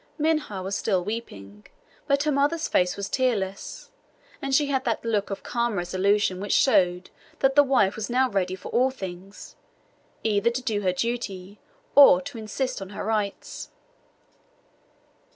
Minha was still weeping, but her mother's face was tearless, and she had that look of calm resolution which showed that the wife was now ready for all things, either to do her duty or to insist on her rights.